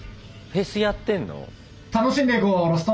フェスやってんの？